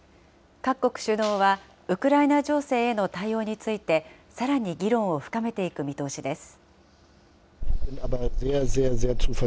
各国首脳はウクライナ情勢への対応について、さらに議論を深めていく見通しです。